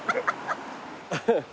ハハハハ。